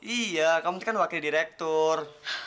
iya kamu itu kan wakil direktur